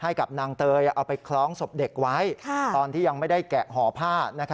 ให้กับนางเตยเอาไปคล้องศพเด็กไว้ตอนที่ยังไม่ได้แกะห่อผ้า